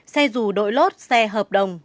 xe dù đội lốt xe hợp đồng